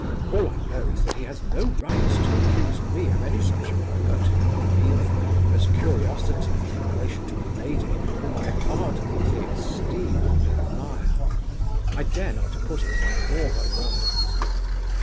All I know is that he has no right to accuse me of any such impertinent feeling as curiosity in relation to a lady whom I ardently esteem and admire. I dare not put it in warmer words.